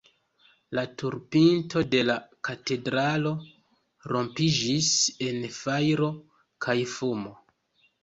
La tur-pinto de la katedralo rompiĝis en fajro kaj fumo.